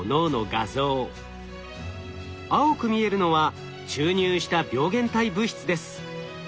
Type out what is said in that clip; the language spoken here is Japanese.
青く見えるのは注入した病原体物質です。